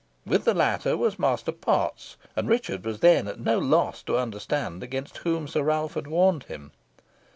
With the latter was Master Potts, and Richard was then at no loss to understand against whom Sir Ralph had warned him.